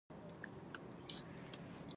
د انسان ذهن د فزیک تر ټولو لوی وسیله ده.